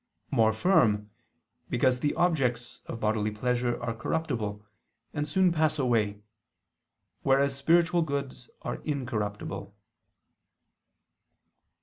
More firm; because the objects of bodily pleasure are corruptible, and soon pass away; whereas spiritual goods are incorruptible.